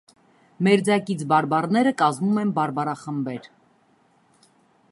Մերձակից բարբառները կազմում են բարբառախմբեր։